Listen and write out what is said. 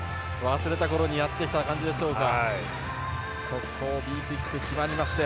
忘れたころにやってきた感じでしょうか。